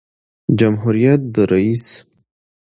جمهوریت د رئیس